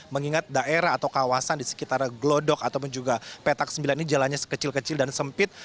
mengingat daerah atau kawasan di sekitar glodok ataupun juga petak sembilan ini jalannya kecil kecil dan sempit